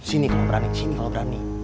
sini kalau berani sini kalau berani